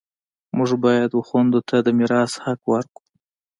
موږ باید و خویندو ته د میراث حق ورکړو